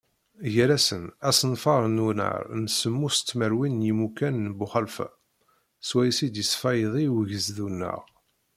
Gar-asen: Asenfar n unnar n semmus tmerwin n yimukan n Buxalfa, swayes i d-yesfaydi ugezdu-nneɣ.